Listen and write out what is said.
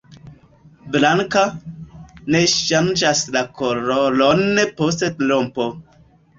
Blanka, ne ŝanĝas la koloron post rompo.